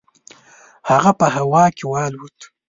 هغه په هوا کې والوت.